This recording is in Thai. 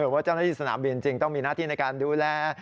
ว่าเจ้าหน้าที่สนามบินจริงต้องมีหน้าที่ในการดูแล